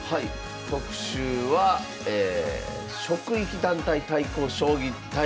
特集は職域団体対抗将棋大会。